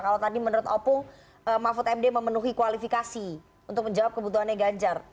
kalau tadi menurut opung mahfud md memenuhi kualifikasi untuk menjawab kebutuhannya ganjar